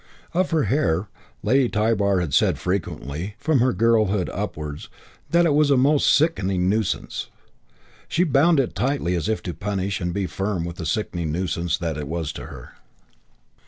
Of her hair Lady Tybar had said frequently, from her girlhood upwards, that it was "a most sickening nuisance." She bound it tightly as if to punish and be firm with the sickening nuisance that it was to her.